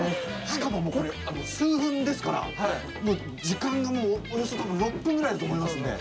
しかももうこれ数分ですから時間がもうおよそ６分ぐらいだと思いますんで。